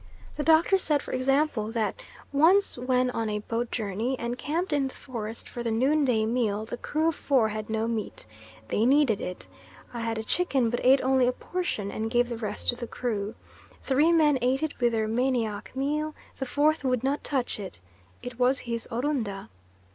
The Doctor said, for example, that "once when on a boat journey, and camped in the forest for the noon day meal, the crew of four had no meat. They needed it. I had a chicken but ate only a portion, and gave the rest to the crew. Three men ate it with their manioc meal, the fourth would not touch it. It was his Orunda."